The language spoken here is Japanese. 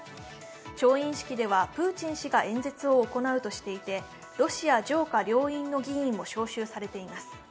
調印式では、プーチン氏が演説を行うとしていてロシア上下両院の議員も招集されています。